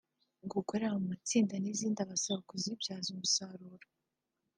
gukorera mu matsinda n’izindi abasaba kuzibyaza umusaruro